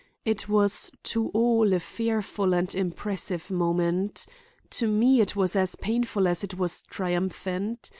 It was to all a fearful and impressive moment. To me it was as painful as it was triumphant.